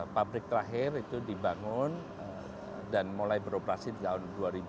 pabrik terakhir itu dibangun dan mulai beroperasi tahun dua ribu lima belas